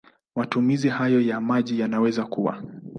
Matumizi hayo ya maji yanaweza kuwa